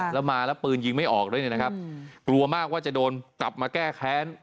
แล้วมาแล้วปืนยิงไม่ออกด้วยเนี่ยนะครับกลัวมากว่าจะโดนกลับมาแก้แค้น